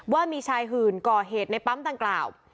ว่ามีชายหื่นก่อเหตุในปั๊มดังกล่าว